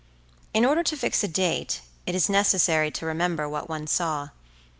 In order to fix a date it is necessary to remember what one saw.